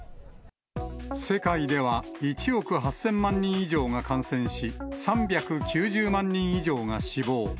世界では１億８０００万人以上が感染し、３９０万人以上が死亡。